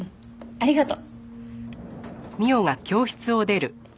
ありがとう。